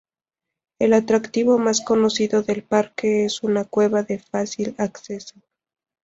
El atractivo más conocido del parque es una cueva de fácil acceso.